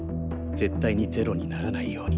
絶対に０にならないように。